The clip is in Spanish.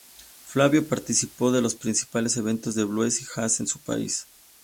Flávio participó de los principales eventos de blues y jazz en su país.